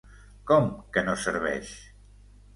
Com que no serveix?